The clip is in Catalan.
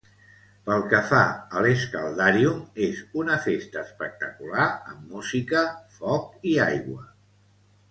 Pel que fa a l'Escaldarium, és una festa espectacular amb música, foc i aigua.